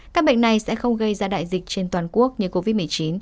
các bệnh này sẽ không gây ra đại dịch trên toàn quốc như covid một mươi chín